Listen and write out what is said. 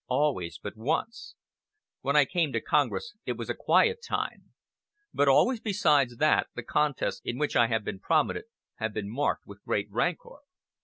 Always but once. When I came to Congress it was a quiet time; but always besides that the contests in which I have been prominent have been marked with great rancor.'"